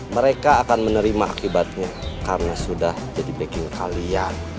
mereka akan menerima akibatnya karena sudah jadi backing kalian